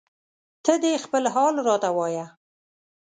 ته دې خپل حال راته وایه